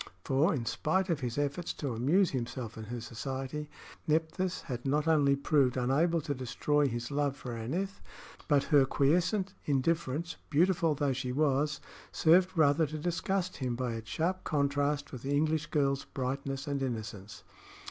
For, in spite of his efforts to amuse himself in her society, Nephthys had not only proved unable to destroy his love for Aneth, but her quiescent indifference, beautiful though she was, served rather to disgust him by its sharp contrast with the English girl's brightness and innocence.